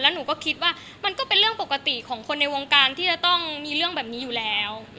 หนูก็คิดว่ามันก็เป็นเรื่องปกติของคนในวงการที่จะต้องมีเรื่องแบบนี้อยู่แล้ว